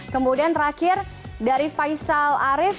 kemudian terakhir dari faisal arief